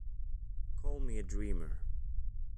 Call me a dreamer.